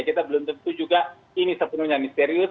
kita belum tentu juga ini sepenuhnya misterius